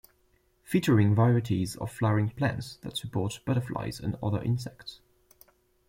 Featuring varieties of flowering plants that support butterflies and other insects.